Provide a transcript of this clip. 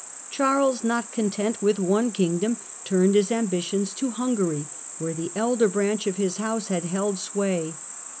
Charles, not content with one Kingdom, turned his ambitions to Hungary, where the elder branch of his house had held sway.